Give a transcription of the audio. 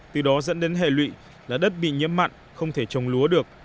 từ đó dẫn đến hệ lụy là đất bị nhiễm mặn không thể trồng lúa được